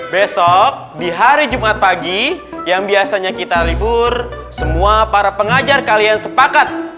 besok di hari jumat pagi yang biasanya kita libur semua para pengajar kalian sepakat